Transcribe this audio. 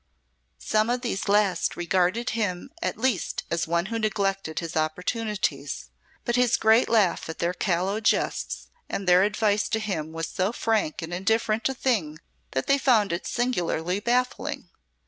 Some of these last regarded him at least as one who neglected his opportunities, but his great laugh at their callow jests and their advice to him was so frank and indifferent a thing that they found it singularly baffling.